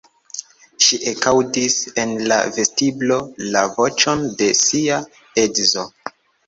Ŝi ekaŭdis en la vestiblo la voĉon de sia edzo.